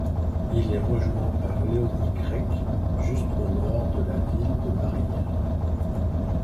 Il est rejoint par Leonie Creek, juste au nord de la ville de Barrière.